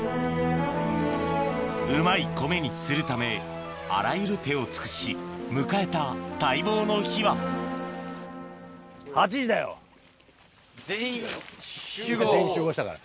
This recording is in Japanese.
うまい米にするためあらゆる手を尽くし迎えた待望の日は全員集合したから。